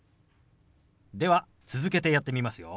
では続けてやってみますよ。